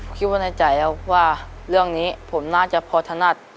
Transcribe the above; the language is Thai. คิดว่าในใจครับว่าเรื่องนี้ผมน่าจะพอถนัด